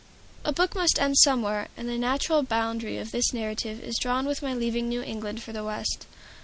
A book must end somewhere, and the natural boundary of this narrative is drawn with my leaving New England for the West.